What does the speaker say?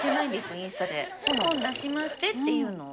インスタで本出しまっせっていうのを。